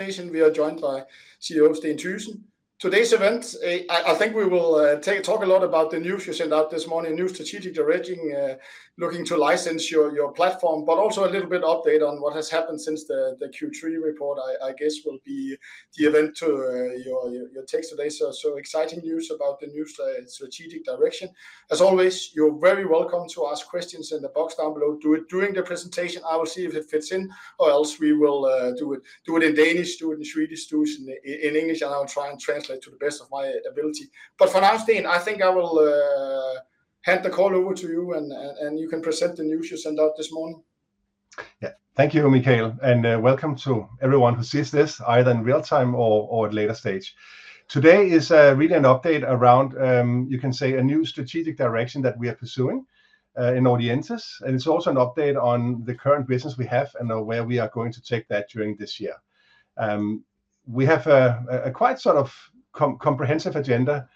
We are joined by CEO Steen Thygesen. Today's event, I think we will talk a lot about the news you sent out this morning, new strategic direction, looking to license your platform, but also a little bit update on what has happened since the Q3 report, I guess, will be the event to your takes today. So, exciting news about the new strategic direction. As always, you're very welcome to ask questions in the box down below. Do it during the presentation, I will see if it fits in, or else we will do it in Danish, do it in Swedish, do it in English, and I'll try and translate to the best of my ability. But for now, Steen, I think I will hand the call over to you, and you can present the news you sent out this morning. Yeah. Thank you, Michael, and welcome to everyone who sees this, either in real time or at later stage. Today is really an update around, you can say, a new strategic direction that we are pursuing in Audientes. And it's also an update on the current business we have and where we are going to take that during this year. We have a quite sort of comprehensive agenda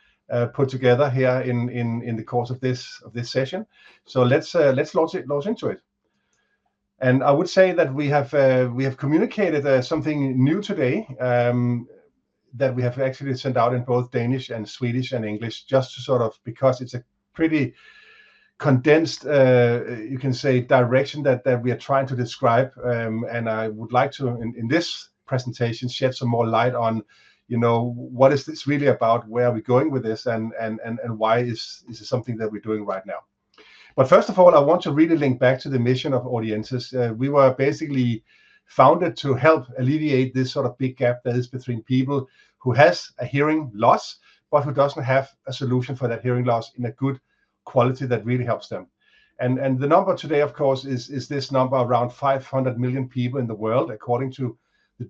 put together here in the course of this session. So let's launch into it. And I would say that we have communicated something new today that we have actually sent out in both Danish and Swedish and English, just to sort of... Because it's a pretty condensed, you can say, direction that we are trying to describe. And I would like to, in this presentation, shed some more light on, you know, what is this really about? Where are we going with this, and why is this something that we're doing right now? But first of all, I want to really link back to the mission of Audientes. We were basically founded to help alleviate this sort of big gap that is between people who has a hearing loss, but who doesn't have a solution for that hearing loss in a good quality that really helps them. The number today, of course, is this number, around 500 million people in the world, according to the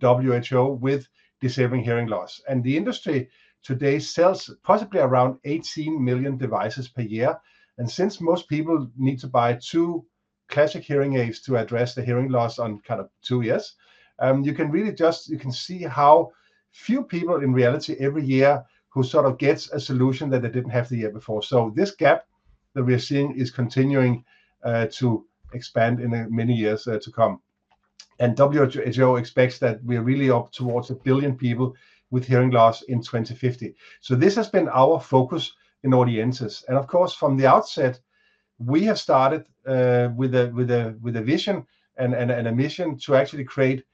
WHO, with disabling hearing loss. And the industry today sells possibly around 18 million devices per year. Since most people need to buy two classic hearing aids to address the hearing loss on kind of two years, you can see how few people, in reality, every year, who sort of gets a solution that they didn't have the year before. So this gap that we are seeing is continuing to expand in the many years to come. And WHO expects that we are really up towards a billion people with hearing loss in 2050. So this has been our focus in Audientes. Of course, from the outset, we have started with a vision and a mission to actually create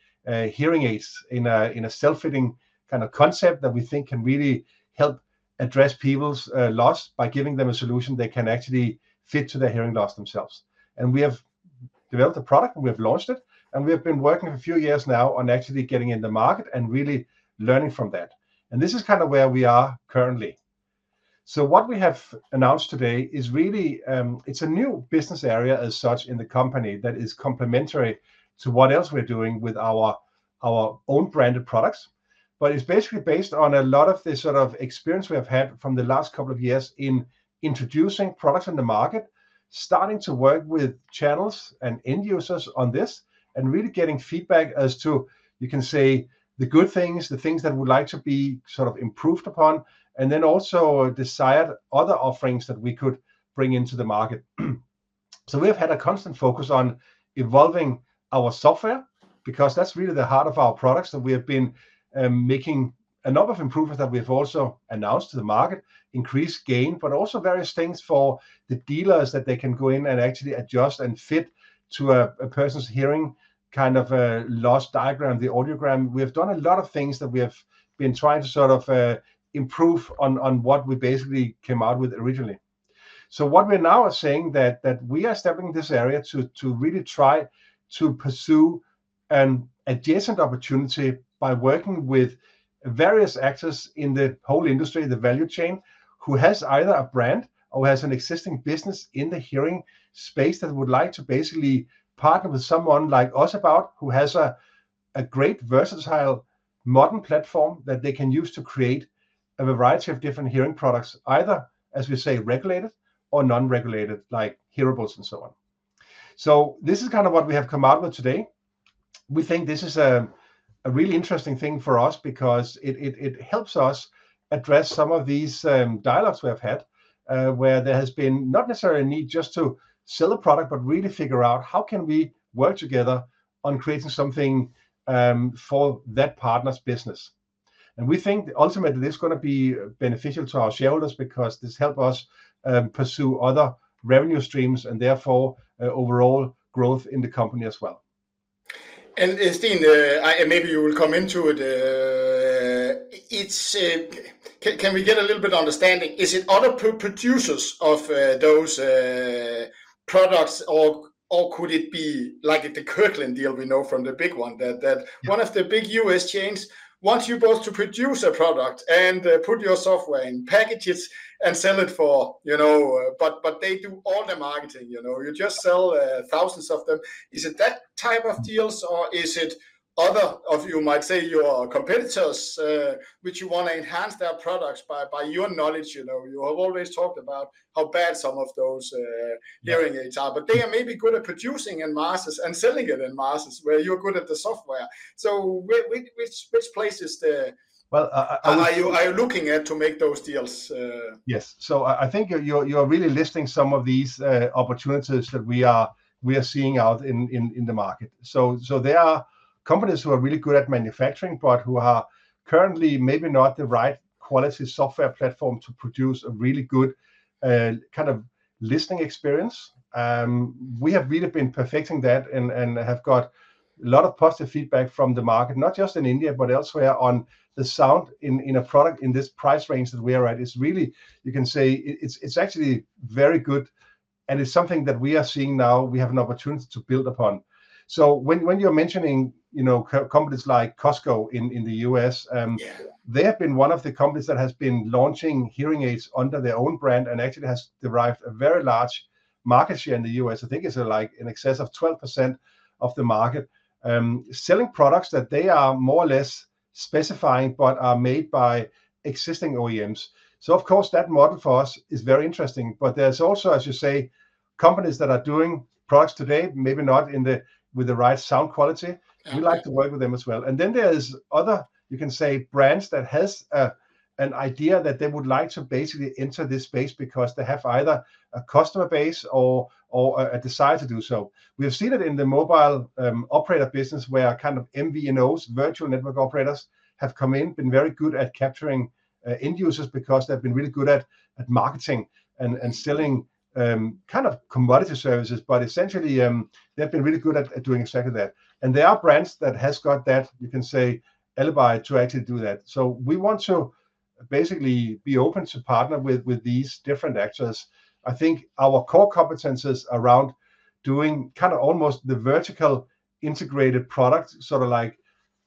hearing aids in a self-fitting kind of concept that we think can really help address people's loss by giving them a solution they can actually fit to their hearing loss themselves. We have developed a product, and we have launched it, and we have been working a few years now on actually getting in the market and really learning from that. This is kind of where we are currently. So what we have announced today is really, it's a new business area as such in the company that is complementary to what else we're doing with our own branded products. It's basically based on a lot of the sort of experience we have had from the last couple of years in introducing products on the market, starting to work with channels and end users on this, and really getting feedback as to, you can say, the good things, the things that would like to be sort of improved upon, and then also desired other offerings that we could bring into the market. We have had a constant focus on evolving our software, because that's really the heart of our products. We have been making a number of improvements that we have also announced to the market, increased gain, but also various things for the dealers, that they can go in and actually adjust and fit to a person's hearing, kind of, a loss diagram, the audiogram. We have done a lot of things that we have been trying to sort of, improve on, on what we basically came out with originally. So what we now are saying that, that we are stepping in this area to, to really try to pursue an adjacent opportunity by working with various actors in the whole industry, the value chain, who has either a brand or has an existing business in the hearing space that would like to basically partner with someone like us about, who has a, a great, versatile, modern platform that they can use to create a variety of different hearing products, either, as we say, regulated or non-regulated, like hearables and so on. So this is kind of what we have come out with today. We think this is a really interesting thing for us because it helps us address some of these dialogues we have had, where there has been not necessarily a need just to sell a product, but really figure out how can we work together on creating something for that partner's business. And we think that ultimately, this is gonna be beneficial to our shareholders because this help us pursue other revenue streams, and therefore, overall growth in the company as well. And, Steen, and maybe you will come into it, it's... Can we get a little bit understanding, is it other producers of those products or, or could it be like the Kirkland deal we know from the big one, that, that- Yeah... one of the big U.S. chains wants you both to produce a product, and, put your software in packages, and sell it for, you know... But they do all the marketing, you know? You just sell, thousands of them. Is it that type of deals, or is it other, of you might say, your competitors, which you want to enhance their products by, by your knowledge, you know? You have always talked about how bad some of those, hearing aids are. Yeah. But they are maybe good at producing in masses and selling it in masses, where you're good at the software. So which places the- Well, I Are you looking at to make those deals? Yes. So I think you're really listing some of these opportunities that we are seeing out in the market. So there are companies who are really good at manufacturing, but who are currently maybe not the right quality software platform to produce a really good kind of listening experience. We have really been perfecting that and have got a lot of positive feedback from the market, not just in India, but elsewhere, on the sound in a product in this price range that we are at. It's really, you can say it, it's actually very good, and it's something that we are seeing now we have an opportunity to build upon. So when you're mentioning, you know, companies like Costco in the U.S. Yeah... they have been one of the companies that has been launching hearing aids under their own brand, and actually has derived a very large market share in the U.S. I think it's, like, in excess of 12% of the market, selling products that they are more or less specifying, but are made by existing OEMs. So of course, that model for us is very interesting. But there's also, as you say, companies that are doing products today, maybe not with the right sound quality. Yeah. We like to work with them as well. And then there's other, you can say, brands that has a, an idea that they would like to basically enter this space because they have either a customer base or, or a, a desire to do so. We have seen it in the mobile operator business, where kind of MVNOs, virtual network operators, have come in, been very good at capturing end users because they've been really good at, at marketing and, and selling kind of commodity services. But essentially, they've been really good at, at doing exactly that. And there are brands that has got that, you can say, alibi to actually do that. So we want to basically be open to partner with, with these different actors. I think our core competence is around doing kind of almost the vertically integrated product, sort of like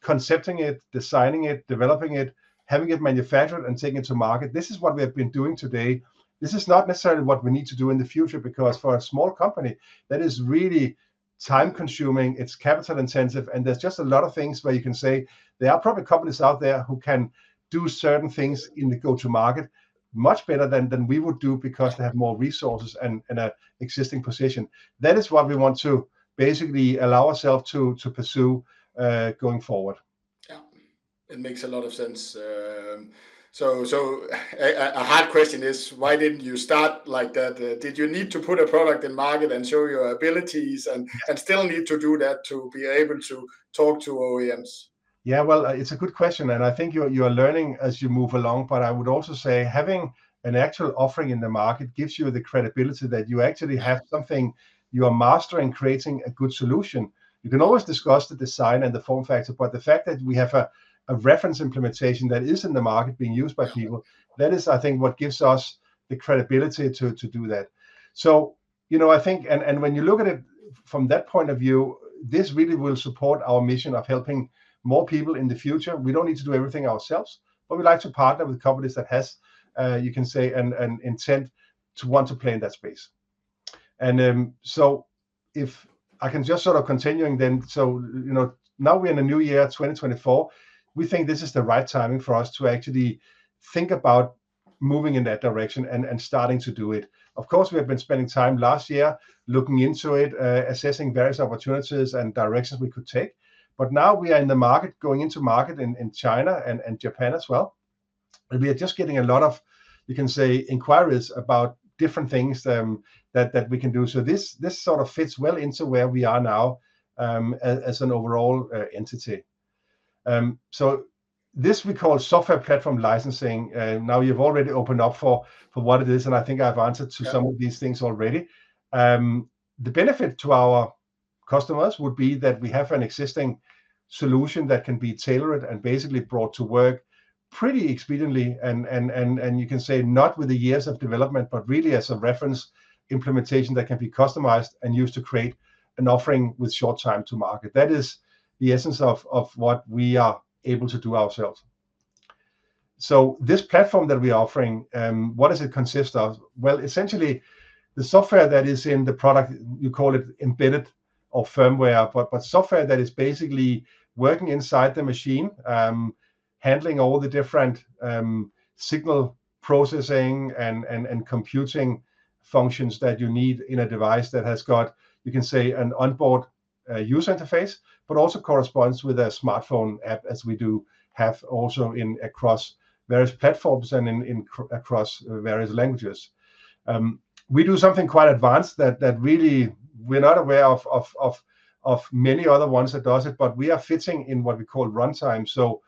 concepting it, designing it, developing it, having it manufactured, and taking it to market. This is what we have been doing today. This is not necessarily what we need to do in the future, because for a small company, that is really time-consuming, it's capital intensive, and there's just a lot of things where you can say there are probably companies out there who can do certain things in the go-to-market much better than, than we would do because they have more resources and, and an existing position. That is what we want to basically allow ourselves to, to pursue, going forward. Yeah, it makes a lot of sense. So a hard question is: why didn't you start like that? Did you need to put a product in market and show your abilities, and still need to do that to be able to talk to OEMs? Yeah, well, it's a good question, and I think you're, you are learning as you move along. But I would also say having an actual offering in the market gives you the credibility that you actually have something, you are mastering creating a good solution. You can always discuss the design and the form factor, but the fact that we have a, a reference implementation that is in the market being used by people- Yeah... that is, I think, what gives us the credibility to, to do that. So, you know, I think, and, and when you look at it from that point of view, this really will support our mission of helping more people in the future. We don't need to do everything ourselves, but we like to partner with companies that has, you can say, an, an intent to want to play in that space. And, so if I can just sort of continuing then, so, you know, now we're in a new year, 2024, we think this is the right timing for us to actually think about moving in that direction and, and starting to do it. Of course, we have been spending time last year looking into it, assessing various opportunities and directions we could take, but now we are in the market, going into market in China and Japan as well. And we are just getting a lot of, you can say, inquiries about different things that we can do. So this sort of fits well into where we are now, as an overall entity. So this we call software platform licensing. Now you've already opened up for what it is, and I think I've answered to some- Yeah... of these things already. The benefit to our customers would be that we have an existing solution that can be tailored and basically brought to work pretty expediently, and you can say not with the years of development, but really as a reference implementation that can be customized and used to create an offering with short time to market. That is the essence of what we are able to do ourselves. So this platform that we are offering, what does it consist of? Well, essentially, the software that is in the product, you call it embedded or firmware, but software that is basically working inside the machine, handling all the different signal processing and computing functions that you need in a device that has got, you can say, an onboard user interface, but also corresponds with a smartphone app, as we do have also in across various platforms and in across various languages. We do something quite advanced that really we're not aware of many other ones that does it, but we are fitting in what we call runtime. So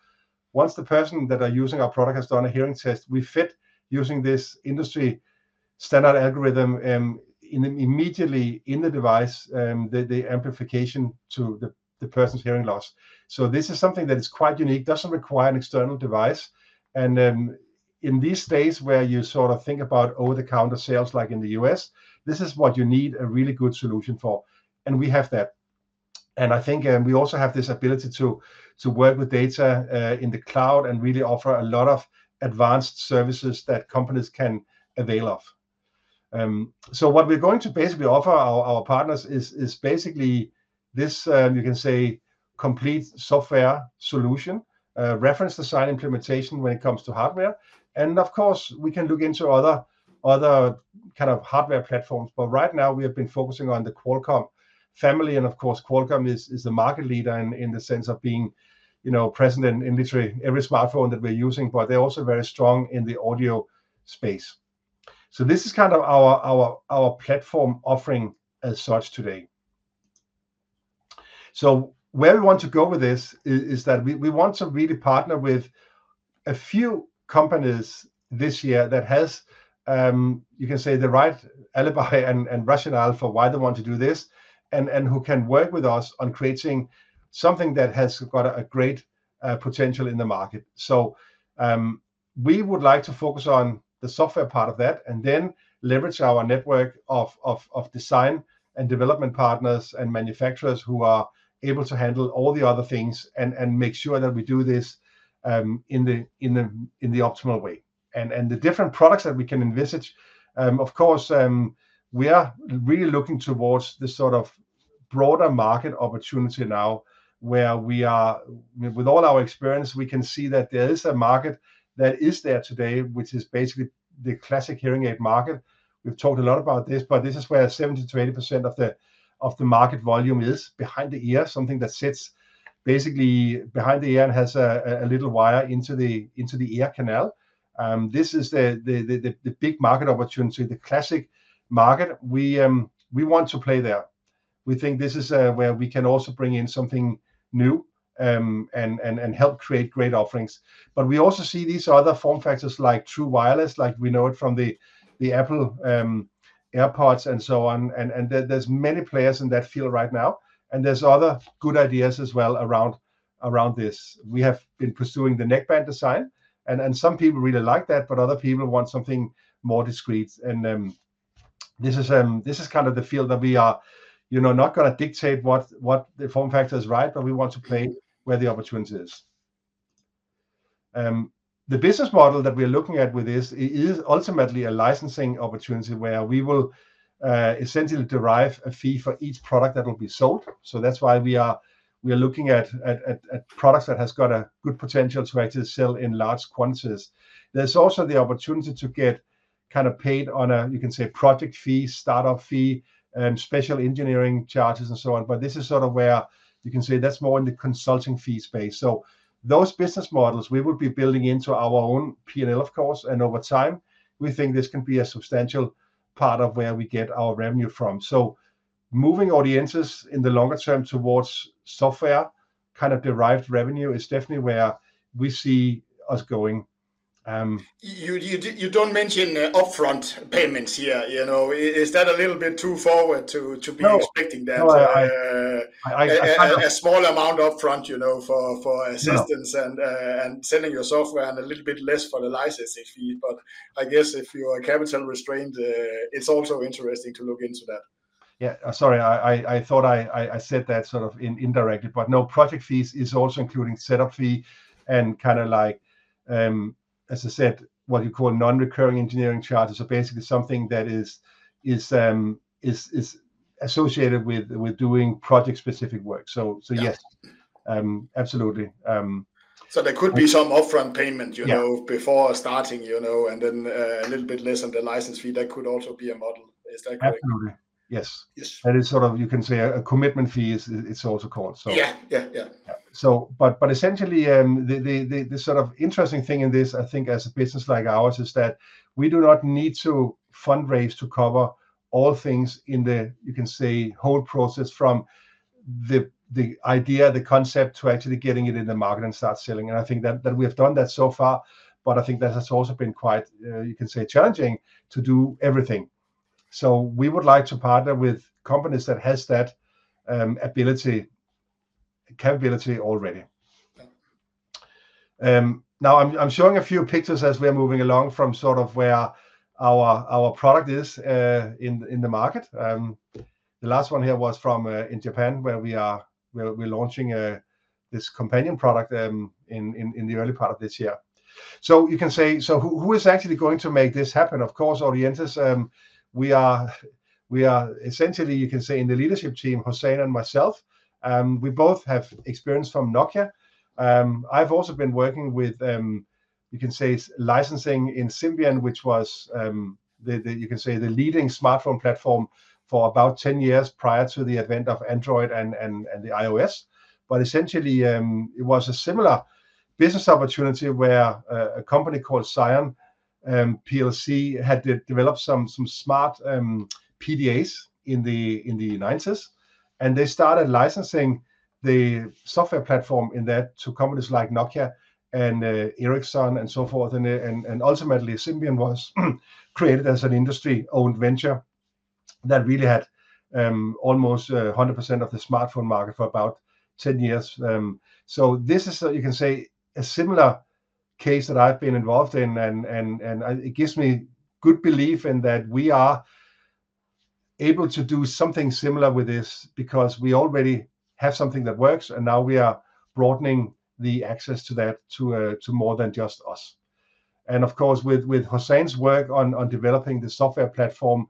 once the person that are using our product has done a hearing test, we fit using this industry-standard algorithm, immediately in the device, the amplification to the person's hearing loss. So this is something that is quite unique, doesn't require an external device. And in these days where you sort of think about over-the-counter sales, like in the U.S., this is what you need a really good solution for, and we have that. And I think we also have this ability to work with data in the cloud and really offer a lot of advanced services that companies can avail of. So what we're going to basically offer our partners is basically this, you can say, complete software solution, a reference design implementation when it comes to hardware. Of course, we can look into other kind of hardware platforms, but right now we have been focusing on the Qualcomm family, and of course, Qualcomm is the market leader in the sense of being, you know, present in literally every smartphone that we're using, but they're also very strong in the audio space. This is kind of our platform offering as such today. Where we want to go with this is that we want to really partner with a few companies this year that has, you can say, the right alibi and rationale for why they want to do this, and who can work with us on creating something that has got a great potential in the market. So, we would like to focus on the software part of that and then leverage our network of design and development partners and manufacturers who are able to handle all the other things and make sure that we do this in the optimal way. The different products that we can envisage, of course, we are really looking towards the sort of broader market opportunity now, where we are. With all our experience, we can see that there is a market that is there today, which is basically the classic hearing aid market. We've talked a lot about this, but this is where 70%-80% of the market volume is, behind the ear, something that sits basically behind the ear and has a little wire into the ear canal. This is the big market opportunity, the classic market. We want to play there. We think this is where we can also bring in something new, and help create great offerings. But we also see these other form factors, like true wireless, like we know it from the Apple AirPods and so on. And there, there's many players in that field right now, and there's other good ideas as well around this. We have been pursuing the neckband design, and some people really like that, but other people want something more discreet. This is kind of the field that we are, you know, not gonna dictate what the form factor is, right? But we want to play where the opportunity is. The business model that we are looking at with this is ultimately a licensing opportunity, where we will essentially derive a fee for each product that will be sold. So that's why we are looking at products that has got a good potential to actually sell in large quantities. There's also the opportunity to get kind of paid on a, you can say, project fee, startup fee, special engineering charges, and so on. But this is sort of where you can say that's more in the consulting fee space. So those business models, we would be building into our own P&L, of course, and over time, we think this can be a substantial part of where we get our revenue from. So moving Audientes in the longer term towards software, kind of derived revenue, is definitely where we see us going. Um- You don't mention upfront payments here, you know? Is that a little bit too forward to be- No... expecting that? No, I. a small amount upfront, you know, for assistance- No... and selling your software, and a little bit less for the licensing fee. But I guess if you are capital restrained, it's also interesting to look into that. Yeah. Sorry, I thought I said that sort of indirectly. But no, project fees is also including setup fee, and kind of like, as I said, what you call non-recurring engineering charges, so basically something that is associated with doing project-specific work. Yeah. So yes, absolutely. There could be some upfront payment, you know. Yeah... before starting, you know, and then, a little bit less on the license fee. That could also be a model. Is that correct? Absolutely. Yes. Yes. That is sort of, you can say, a commitment fee. It's also called so. Yeah, yeah, yeah. Yeah. So but essentially, the sort of interesting thing in this, I think, as a business like ours, is that we do not need to fundraise to cover all things in the, you can say, whole process, from the idea, the concept, to actually getting it in the market and start selling. I think that we have done that so far, but I think that has also been quite, you can say, challenging to do everything. We would like to partner with companies that has that, ability, capability already. Now I'm showing a few pictures as we are moving along from sort of where our product is in the market. The last one here was from in Japan, where we are... We're launching this Companion product in the early part of this year. So you can say, who is actually going to make this happen? Of course, Audientes, we are essentially, you can say, in the leadership team, Hossein and myself, we both have experience from Nokia. I've also been working with, you can say, licensing in Symbian, which was the leading smartphone platform for about 10 years prior to the advent of Android and the iOS. But essentially, it was a similar business opportunity, where a company called Psion PLC had developed some smart PDAs in the '90s, and they started licensing the software platform in that to companies like Nokia and Ericsson and so forth. And ultimately, Symbian was created as an industry-owned venture that really had almost 100% of the smartphone market for about 10 years. So this is, so you can say, a similar case that I've been involved in, and it gives me good belief in that we are able to do something similar with this, because we already have something that works, and now we are broadening the access to that to more than just us. And of course, with Hossein's work on developing the software platform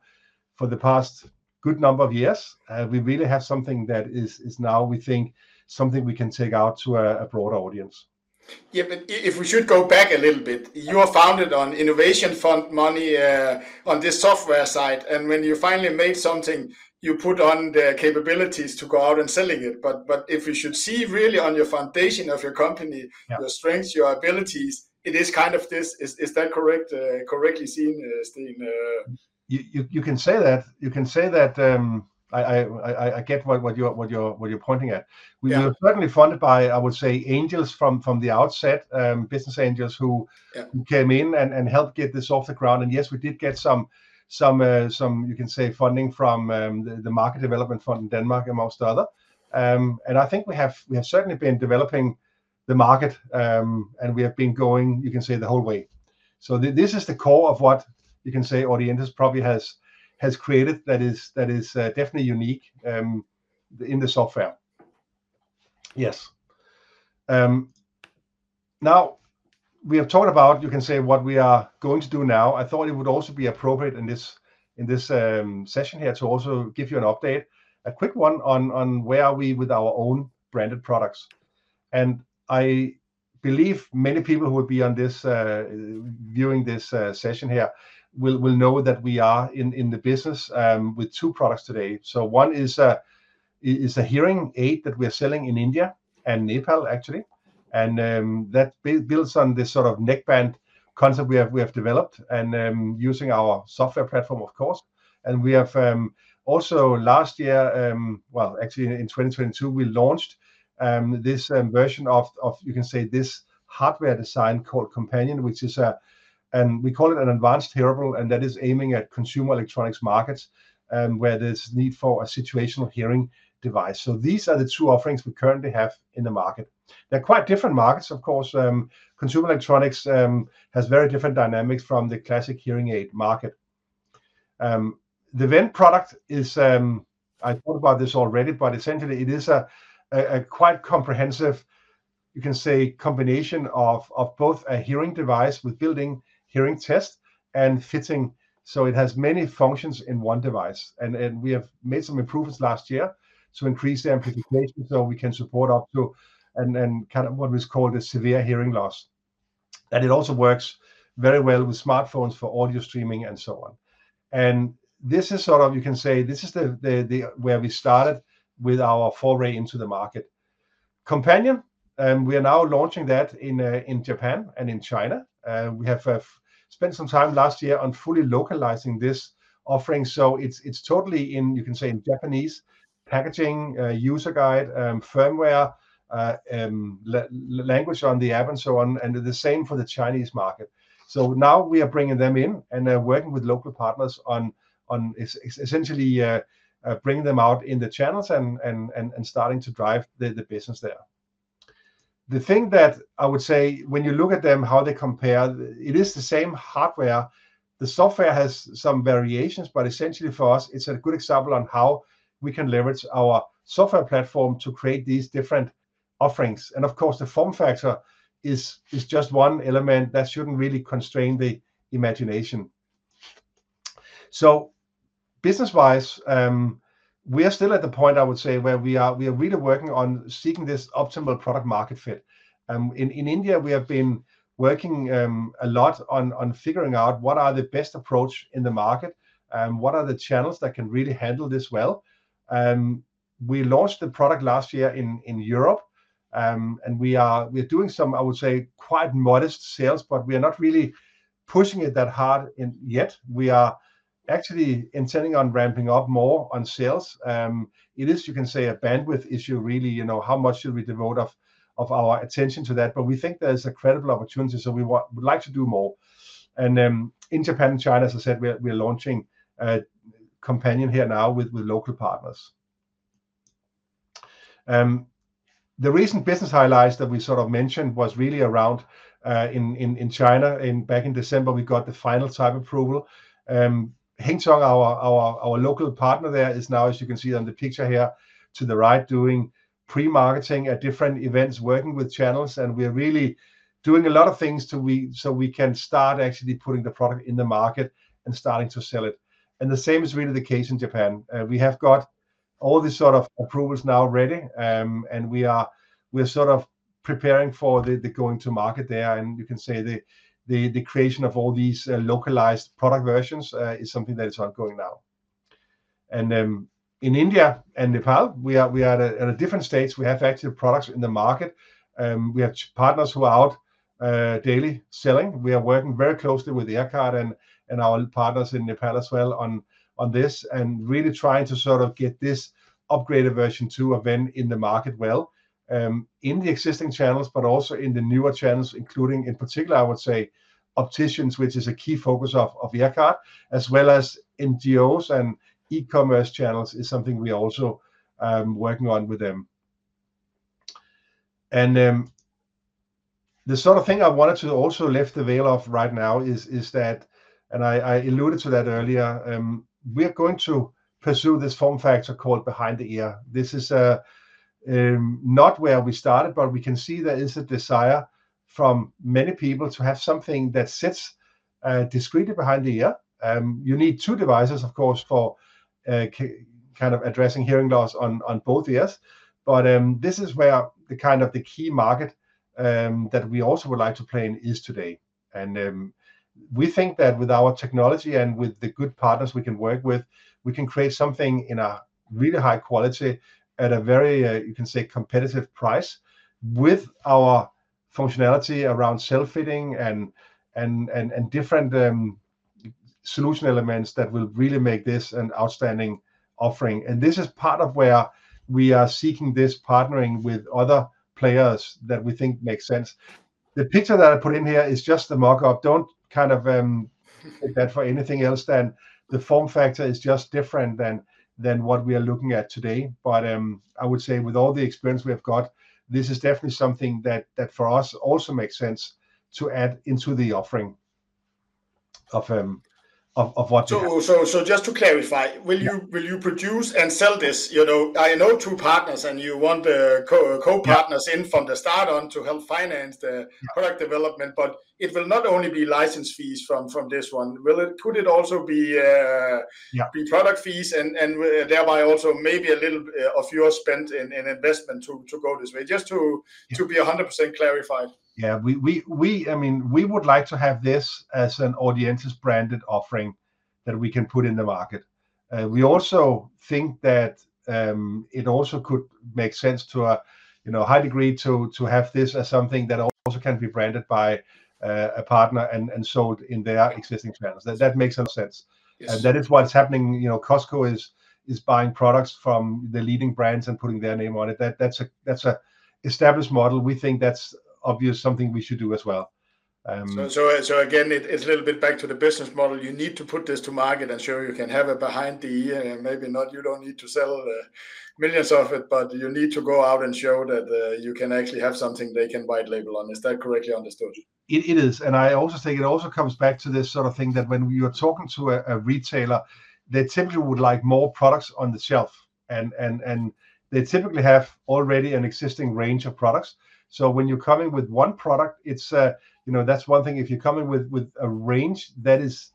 for the past good number of years, we really have something that is now, we think, something we can take out to a broader audience. Yeah, but if we should go back a little bit, you are founded on Innovation Fund money, on this software side, and when you finally made something, you put on the capabilities to go out and selling it. But if you should see really on your foundation of your company- Yeah... your strengths, your abilities, it is kind of this. Is that correct, correctly seen, Steen? You can say that. You can say that. I get what you're pointing at. Yeah. We were certainly funded by, I would say, angels from the outset, business angels who- Yeah... came in and helped get this off the ground. And, yes, we did get some funding from the Market Development Fund in Denmark, amongst other. And I think we have certainly been developing the market, and we have been going, you can say, the whole way. So this is the core of what you can say Audientes probably has created, that is definitely unique in the software. Yes. Now, we have talked about, you can say, what we are going to do now. I thought it would also be appropriate in this session here to also give you an update, a quick one, on where we are with our own branded products. I believe many people who will be on this viewing this session here will know that we are in the business with two products today. So one is a hearing aid that we are selling in India and Nepal, actually, and that builds on this sort of neckband concept we have developed, and using our software platform, of course. We have also, last year... well, actually, in 2022, we launched this version of, you can say, this hardware design called Companion, which is a... we call it an advanced hearable, and that is aiming at consumer electronics markets where there's need for a situational hearing device. So these are the two offerings we currently have in the market. They're quite different markets, of course. Consumer electronics has very different dynamics from the classic hearing aid market. The Venn product is. I talked about this already, but essentially it is a quite comprehensive, you can say, combination of both a hearing device with built-in hearing test and fitting, so it has many functions in one device. We have made some improvements last year to increase the amplification, so we can support up to and kind of what is called a severe hearing loss. It also works very well with smartphones for audio streaming and so on. This is sort of, you can say, where we started with our foray into the market. Companion, we are now launching that in Japan and in China. We have spent some time last year on fully localizing this offering. So it's totally in, you can say, in Japanese packaging, user guide, firmware, language on the app and so on, and the same for the Chinese market. So now we are bringing them in and working with local partners on essentially bringing them out in the channels and starting to drive the business there. The thing that I would say, when you look at them, how they compare, it is the same hardware. The software has some variations, but essentially for us, it's a good example on how we can leverage our software platform to create these different offerings. And of course, the form factor is just one element that shouldn't really constrain the imagination. So business-wise, we are still at the point, I would say, where we are really working on seeking this optimal product-market fit. In India, we have been working a lot on figuring out what are the best approach in the market, and what are the channels that can really handle this well. We launched the product last year in Europe, and we are doing some, I would say, quite modest sales, but we are not really pushing it that hard in yet. We are actually intending on ramping up more on sales. It is, you can say, a bandwidth issue, really, you know, how much should we devote of our attention to that? But we think there's a credible opportunity, so we'd like to do more. In Japan and China, as I said, we are launching Companion here now with local partners. The recent business highlights that we sort of mentioned was really around in China. Back in December, we got the final type approval. Hengtong, our local partner there, is now, as you can see on the picture here to the right, doing pre-marketing at different events, working with channels, and we are really doing a lot of things so we can start actually putting the product in the market and starting to sell it. And the same is really the case in Japan. We have got all the sort of approvals now ready, and we are sort of preparing for the going to market there. And you can say the creation of all these localized product versions is something that is ongoing now. In India and Nepal, we are at a different stage. We have active products in the market. We have partners who are out daily selling. We are working very closely with EarCare and our partners in Nepal as well on this, and really trying to sort of get this upgraded version two of Venn in the market well in the existing channels, but also in the newer channels, including, in particular, I would say, opticians, which is a key focus of EarCare, as well as NGOs and e-commerce channels, is something we are also working on with them. The sort of thing I wanted to also lift the veil off right now is that, and I alluded to that earlier, we're going to pursue this form factor called behind-the-ear. This is not where we started, but we can see there is a desire from many people to have something that sits discreetly behind the ear. You need two devices, of course, for kind of addressing hearing loss on both ears. But this is where the kind of the key market that we also would like to play in is today. We think that with our technology and with the good partners we can work with, we can create something in a really high quality at a very, you can say, competitive price with our functionality around self-fitting and different solution elements that will really make this an outstanding offering. This is part of where we are seeking this partnering with other players that we think makes sense. The picture that I put in here is just a mock-up. Don't kind of take that for anything else than the form factor is just different than what we are looking at today. I would say with all the experience we have got, this is definitely something that for us also makes sense to add into the offering of what we have. So, just to clarify, will you- Yeah... will you produce and sell this? You know, I know two partners, and you want the co- Yeah... co-partners in from the start on to help finance the product development, but it will not only be license fees from, from this one, will it? Could it also be, Yeah... be product fees and thereby also maybe a little of your spent in investment to go this way? Just to- Yeah... to be 100% clarified. Yeah. I mean, we would like to have this as an Audientes's branded offering that we can put in the market. We also think that it also could make sense to a high degree to have this as something that also can be branded by a partner and sold in their existing channels. That makes some sense. Yes. That is what is happening. You know, Costco is buying products from the leading brands and putting their name on it. That's an established model. We think that's obvious, something we should do as well. So again, it's a little bit back to the business model. You need to put this to market and show you can have it behind-the-ear, and maybe not, you don't need to sell millions of it, but you need to go out and show that you can actually have something they can white label on. Is that correctly understood? It is. And I also think it also comes back to this sort of thing, that when you are talking to a retailer, they typically would like more products on the shelf. And they typically have already an existing range of products. So when you come in with one product, it's, you know, that's one thing. If you come in with a range, that is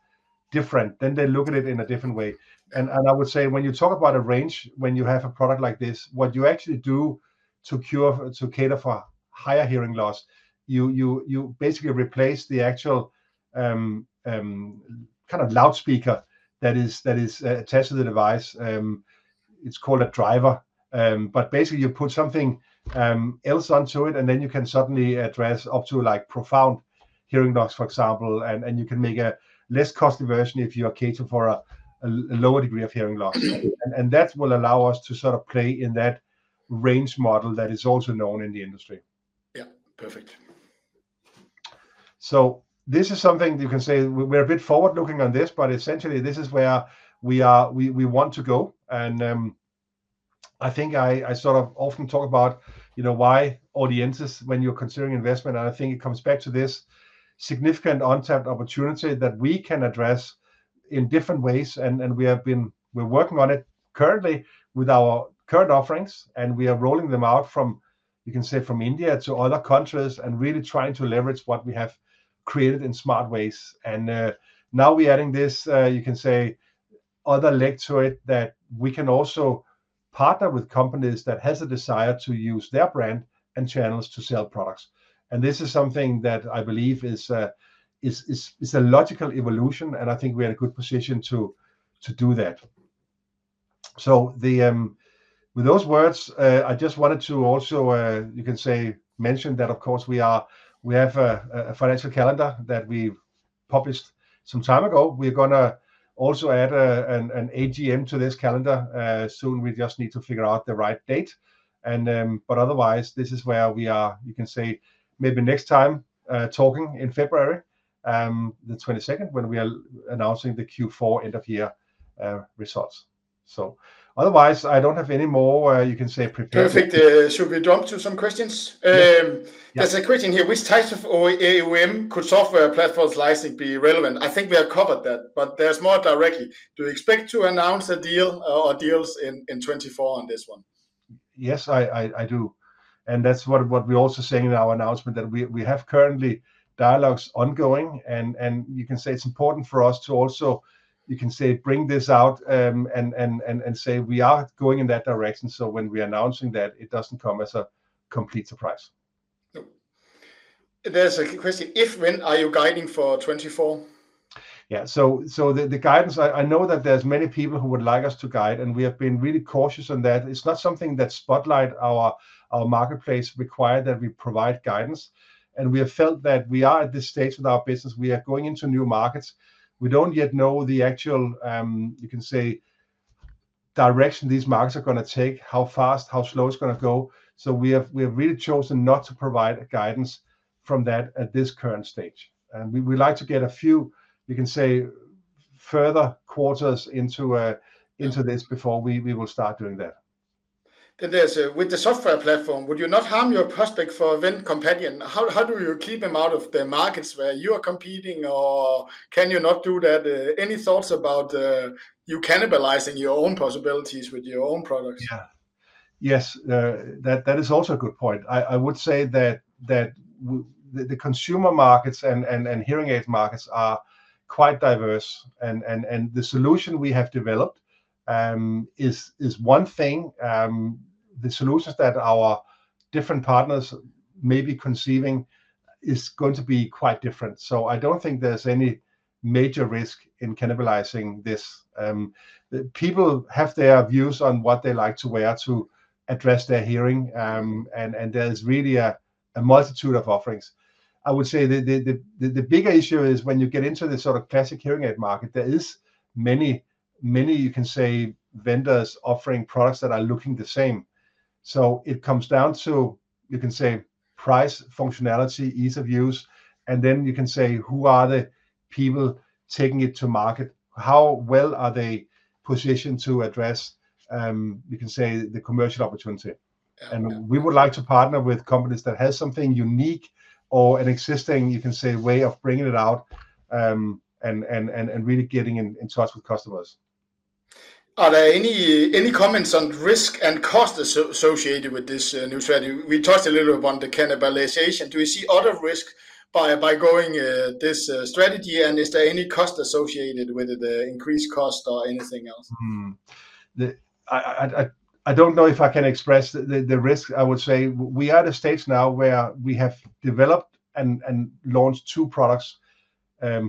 different, then they look at it in a different way. And I would say when you talk about a range, when you have a product like this, what you actually do to cure, to cater for higher hearing loss, you basically replace the actual kind of loudspeaker that is attached to the device. It's called a driver. But basically you put something else onto it, and then you can suddenly address up to, like, profound hearing loss, for example. And you can make a less costly version if you are catering for a lower degree of hearing loss. Mm. And that will allow us to sort of play in that range model that is also known in the industry. Yeah, perfect. So this is something you can say we're a bit forward-looking on this, but essentially this is where we are... we want to go. And I think I sort of often talk about, you know, why Audientes, when you're considering investment, and I think it comes back to this significant untapped opportunity that we can address in different ways. And we have been, we're working on it currently with our current offerings, and we are rolling them out from, you can say, from India to other countries, and really trying to leverage what we have created in smart ways. And now we're adding this, you can say other leg to it, that we can also partner with companies that has a desire to use their brand and channels to sell products. And this is something that I believe is a logical evolution, and I think we are in a good position to do that. So with those words, I just wanted to also you can say mentioned that of course we have a financial calendar that we've published some time ago. We're gonna also add an AGM to this calendar soon. We just need to figure out the right date. But otherwise, this is where we are. You can say maybe next time talking in February the 22nd, when we are announcing the Q4 end of year results. So otherwise I don't have any more you can say prepared. Perfect. Should we jump to some questions? Yeah. Um- Yes... there's a question here: Which types of OEM could software platforms licensing be relevant? I think we have covered that, but there's more directly. Do you expect to announce a deal or deals in 2024 on this one? Yes, I do, and that's what we're also saying in our announcement, that we have currently dialogues ongoing. And you can say it's important for us to also bring this out, and say we are going in that direction, so when we are announcing that, it doesn't come as a complete surprise. Yep. There's a question: If, when are you guiding for 2024? Yeah. So the guidance, I know that there's many people who would like us to guide, and we have been really cautious on that. It's not something that spotlight our marketplace require, that we provide guidance, and we have felt that we are at this stage with our business, we are going into new markets. We don't yet know the actual, you can say, direction these markets are gonna take, how fast, how slow it's gonna go. So we have really chosen not to provide a guidance from that at this current stage. And we like to get a few, you can say, further quarters into, into this before we will start doing that. Then there's, with the software platform, would you not harm your prospect for own Companion? How, how do you keep them out of the markets where you are competing, or can you not do that? Any thoughts about, you cannibalizing your own possibilities with your own products? Yeah. Yes, that is also a good point. I would say that the consumer markets and hearing aid markets are quite diverse. The solution we have developed is one thing. The solutions that our different partners may be conceiving is going to be quite different. So I don't think there's any major risk in cannibalizing this. The people have their views on what they like to wear to address their hearing. And there's really a multitude of offerings. I would say the bigger issue is when you get into the sort of classic hearing aid market, there is many, many, you can say, vendors offering products that are looking the same. So it comes down to, you can say, price, functionality, ease of use, and then you can say, who are the people taking it to market? How well are they positioned to address, you can say, the commercial opportunity? Yeah. We would like to partner with companies that has something unique or an existing, you can say, way of bringing it out, and really getting in touch with customers. Are there any comments on risk and cost associated with this new strategy? We talked a little about the cannibalization. Do you see other risk by going this strategy, and is there any cost associated with it, the increased cost or anything else? I don't know if I can express the risk. I would say we are at a stage now where we have developed and launched two products,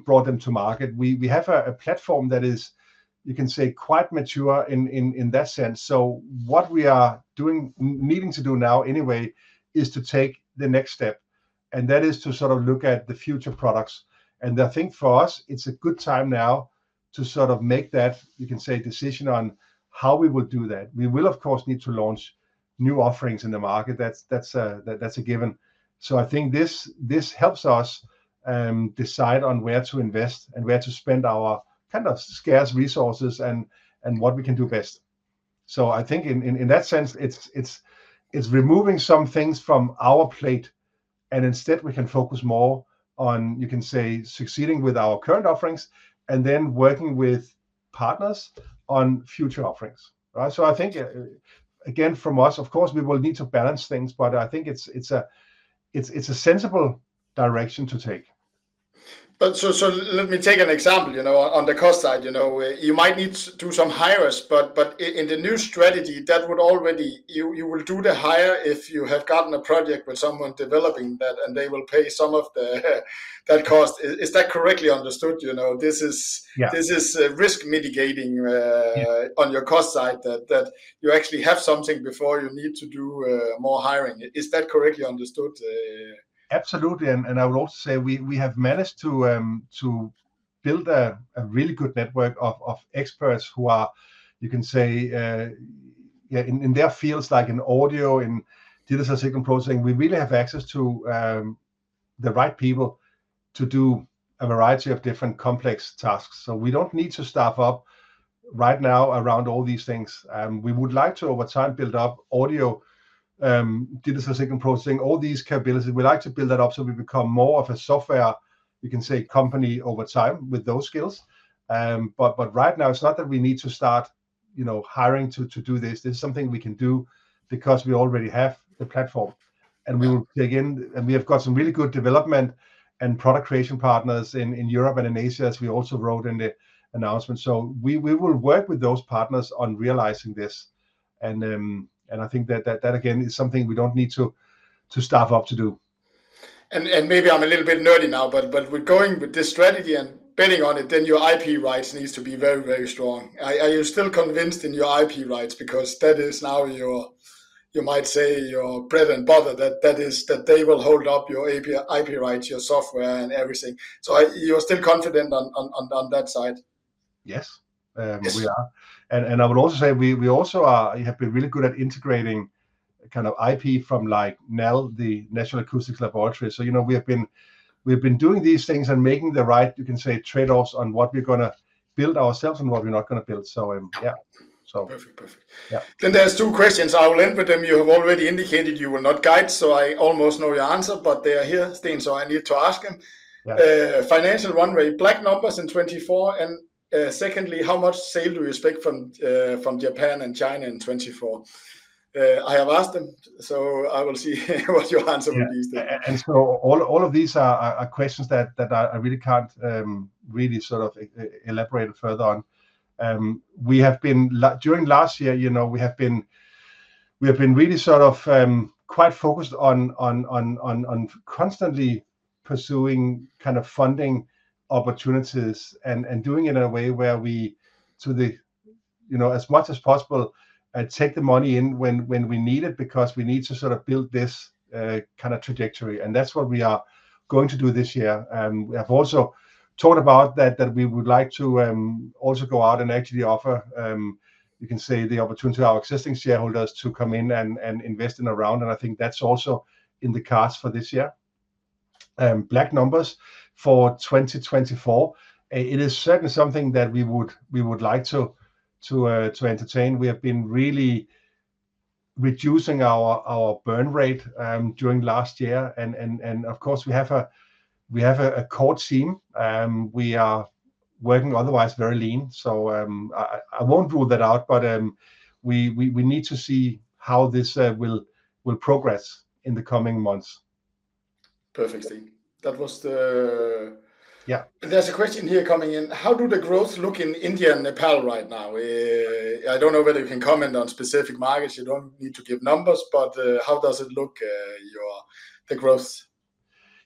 brought them to market. We have a platform that is, you can say, quite mature in that sense. What we are needing to do now anyway is to take the next step, and that is to sort of look at the future products. I think for us, it's a good time now to sort of make that, you can say, decision on how we would do that. We will, of course, need to launch new offerings in the market. That's a given. So I think this helps us decide on where to invest and where to spend our kind of scarce resources and what we can do best. So I think in that sense, it's removing some things from our plate, and instead we can focus more on, you can say, succeeding with our current offerings, and then working with partners on future offerings. Right? So I think again, from us, of course, we will need to balance things, but I think it's a sensible direction to take. But so, so let me take an example, you know, on the cost side. You know, you might need to do some hires, but in the new strategy, that would already... You will do the hire if you have gotten a project with someone developing that, and they will pay some of that cost. Is that correctly understood, you know? This is- Yeah... this is risk mitigating- Yeah... on your cost side, that you actually have something before you need to do more hiring. Is that correctly understood? Absolutely. And I would also say we have managed to build a really good network of experts who are, you can say, yeah, in their fields, like in audio, in digital signal processing. We really have access to the right people to do a variety of different complex tasks. So we don't need to staff up right now around all these things. We would like to, over time, build up audio, digital signal processing, all these capabilities. We'd like to build that up so we become more of a software, you can say, company over time with those skills. But right now, it's not that we need to start, you know, hiring to do this. This is something we can do because we already have the platform, and we will dig in. We have got some really good development and product creation partners in Europe and in Asia, as we also wrote in the announcement. We will work with those partners on realizing this, and I think that again is something we don't need to staff up to do. And maybe I'm a little bit nerdy now, but we're going with this strategy, and building on it, then your IP rights needs to be very, very strong. Are you still convinced in your IP rights? Because that is now your, you might say, your bread and butter, that they will hold up your IP rights, your software and everything. So are you still confident on that side? Yes. We are. Yes. I would also say we have also been really good at integrating kind of IP from, like, NAL, the National Acoustic Laboratories. So, you know, we have been doing these things and making the right, you can say, trade-offs on what we're gonna build ourselves and what we're not gonna build. So, yeah. So- Perfect. Perfect. Yeah. Then there's two questions. I will end with them. You have already indicated you will not guide, so I almost know your answer, but they are here, Steen, so I need to ask them. Right. Financially, one, were you in the black in 2024? And secondly, how much sales do you expect from Japan and China in 2024? I have asked them, so I will see what your answer will be, Steen. Yeah. And so all of these are questions that I really can't really sort of elaborate further on. We have been during last year, you know, we have been really sort of quite focused on constantly pursuing kind of funding opportunities and doing it in a way where we to the, you know, as much as possible take the money in when we need it, because we need to sort of build this kind of trajectory, and that's what we are going to do this year. We have also thought about that, that we would like to also go out and actually offer, you can say, the opportunity to our existing shareholders to come in and invest in a round, and I think that's also in the cards for this year. Black numbers for 2024. It is certainly something that we would like to entertain. We have been really reducing our burn rate during last year, and of course, we have a core team. We are working otherwise very lean. So, I won't rule that out, but we need to see how this will progress in the coming months. Perfect, Steen. That was the- Yeah. There's a question here coming in: "How do the growth look in India and Nepal right now?" I don't know whether you can comment on specific markets. You don't need to give numbers, but, how does it look, the growth?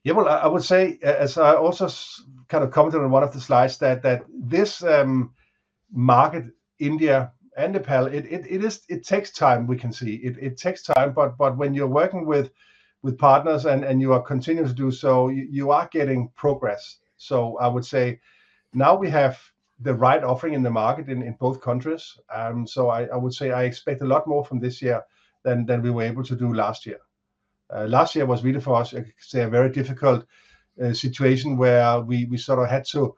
Yeah, well, I would say, as I also kind of commented on one of the slides, that this market, India and Nepal, it takes time, we can see. It takes time, but when you're working with partners and you are continuing to do so, you are getting progress. So I would say now we have the right offering in the market in both countries. So I would say I expect a lot more from this year than we were able to do last year. Last year was really, for us, I could say, a very difficult situation, where we sort of had to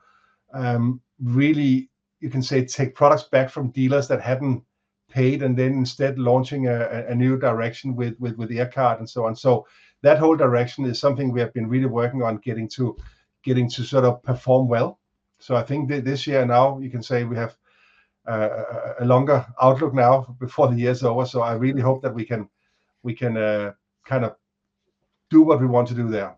really, you can say, take products back from dealers that hadn't paid, and then instead launching a new direction with EarCare and so on. So that whole direction is something we have been really working on getting to sort of perform well. So I think this year, now, you can say we have a longer outlook now before the year is over, so I really hope that we can kind of do what we want to do there.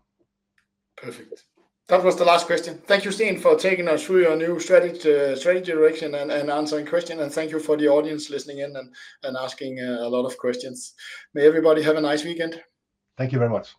Perfect. That was the last question. Thank you, Steen, for taking us through your new strategy direction and answering questions, and thank you for the audience listening in and asking a lot of questions. May everybody have a nice weekend. Thank you very much.